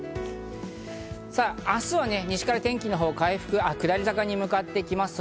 明日は西から天気が下り坂に向かいます。